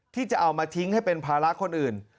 ที่จะเอามาทิ้งให้เป็นภาระคนอื่น